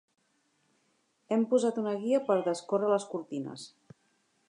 Hem posat una guia per a descórrer les cortines.